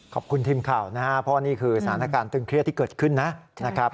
ขอบคุณทีมข่าวนะครับเพราะนี่คือสถานการณ์ตึงเครียดที่เกิดขึ้นนะครับ